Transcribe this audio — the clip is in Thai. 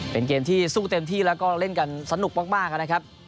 เป็นเกมที่สู้เต็มที่แล้วก็เล่นกันสนุกมากนะครับ